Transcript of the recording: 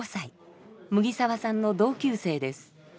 麥澤さんの同級生です。